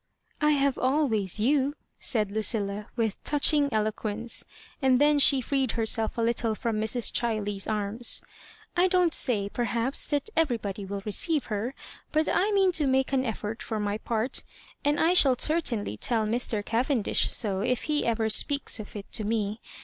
"I have always you,^^ said Lucilla, with touch ing eloquence : and then she freed herself a little from Mrs. Chilej's arms. " I don't say, perhaps, that everybody will receive her ; but I mean to make an effort, for my part ; and I shall cer tainly tell Mr. Cavendish so if he ever speaks of it to me.